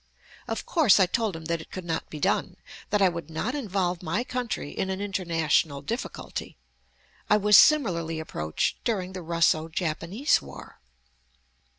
Of course I told him that it could not be done: that I would not involve my country in an international difficulty. I was similarly approached during the Russo Japanese war.